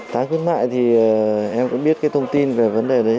tháng khuyến mại thì em cũng biết cái thông tin về vấn đề đấy